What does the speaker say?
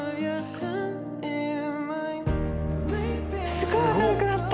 すごい明るくなった。